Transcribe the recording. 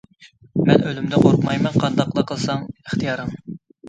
مەن ئۆلۈمدىن قورقمايمەن، قانداقلا قىلساڭ ئىختىيارىڭ.